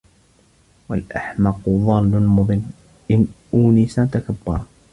وَالْأَحْمَقُ ضَالٌّ مُضِلٌّ إنْ أُونِسَ تَكَبَّرَ